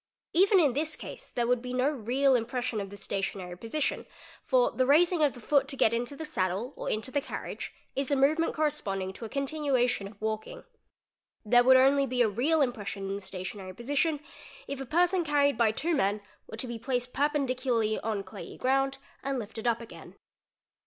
Even in this case there would be no real impression of the stationary position for the raising of the foot to get into thé saddle or into the carriage is a movement corresponding to a continuation of walking. There would only be a real impression in the stationary position if a person carried by two men were to be placed | perpendicularly on clayey ground and lifted up again.